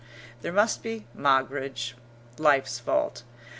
There must be Moggridge life's fault.